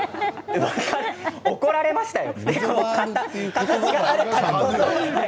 怒られましたよ。